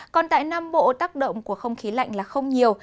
còn tại nam bộ tác động của không khí lạnh là không nhiều